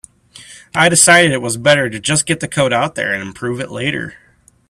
I decided it was better to just get the code out there and improve it later.